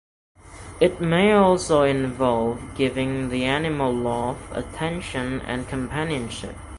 It may also involve giving the animal love, attention, and companionship.